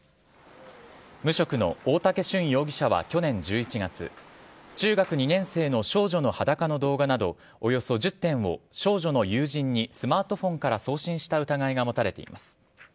無職の大竹隼容疑者は去年１１月中学２年生の少女の裸の動画などおよそ１０点を少女の友人にスマートフォンから送信した疑いが持たれています。